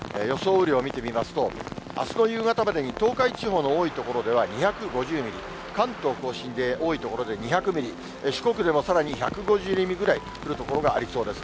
雨量を見てみますと、あすの夕方までに東海地方の多い所では２５０ミリ、関東甲信で多い所で２００ミリ、四国でもさらに１５０ミリぐらい降る所がありそうです。